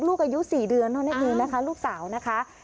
อายุ๔เดือนเท่านั้นเองนะคะลูกสาวนะคะ